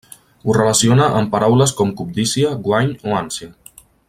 Ho relaciona amb paraules com cobdícia, guany o ànsia.